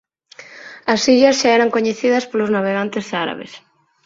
As illas xa eran coñecidas polos navegantes árabes.